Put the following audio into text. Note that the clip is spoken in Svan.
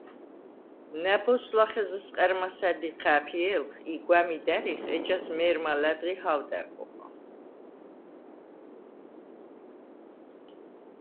ნა̈ბოზს ლახე ზჷსყა̈რ მასა̈რდ იჴა̄̈ფიე̄ლხ ი გვა̈მიდ ა̈რიხ, ეჯას მე̄რმა ლა̈დღი ჰა̄ვდა̈რ ხოხა.